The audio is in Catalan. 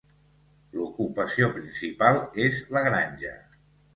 L'ocupació principal és la granja.